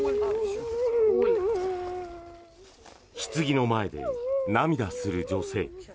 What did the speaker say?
ひつぎの前で涙する女性。